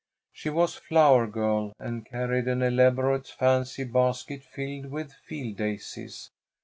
She was flower girl, and carried an elaborate fancy basket filled with field daisies.